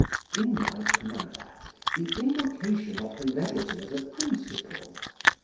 In like manner the invocation of heredity as a principle (p.